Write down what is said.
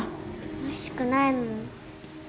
おいしくないもん。